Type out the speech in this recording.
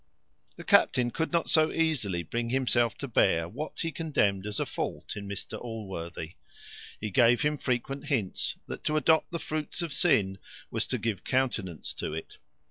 The captain could not so easily bring himself to bear what he condemned as a fault in Mr Allworthy. He gave him frequent hints, that to adopt the fruits of sin, was to give countenance to it.